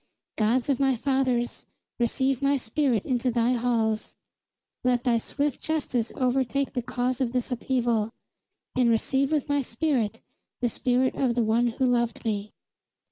"Gods of my fathers, receive my spirit into thy halls. Let thy swift justice overtake the cause of this upheaval; and receive with my spirit the spirit of the one who loved me."